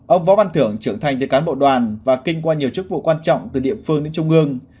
ông võ văn thưởng trưởng thành từ cán bộ đoàn và kinh qua nhiều chức vụ quan trọng từ địa phương đến trung ương